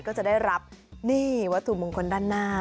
ก็จะได้รับนี่วัตถุมงคลด้านหน้า